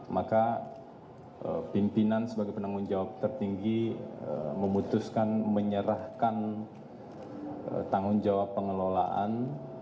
maka pimpinan sebagai penanggung jawab tertinggi memutuskan menyerahkan tanggung jawab pengelolaan